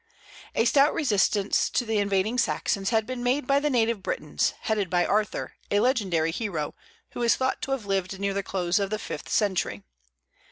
A stout resistance to the invading Saxons had been made by the native Britons, headed by Arthur, a legendary hero, who is thought to have lived near the close of the fifth century.